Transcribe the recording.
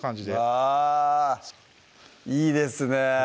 わぁいいですね